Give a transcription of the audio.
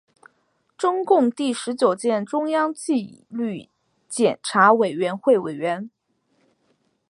中共第十九届中央纪律检查委员会委员。